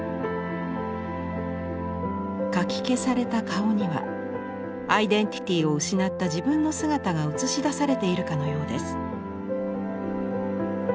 かき消された顔にはアイデンティティーを失った自分の姿が映し出されているかのようです。